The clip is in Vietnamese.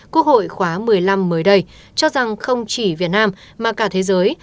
quốc hội khóa một mươi năm mới đây cho rằng không chỉ việt nam mà cả thế giới